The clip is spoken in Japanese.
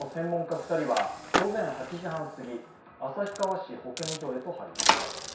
２人は午前８時半すぎ旭川市保健所へと入りました。